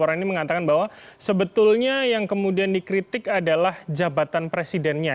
orang ini mengatakan bahwa sebetulnya yang kemudian dikritik adalah jabatan presidennya